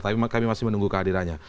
tapi kami masih menunggu kehadirannya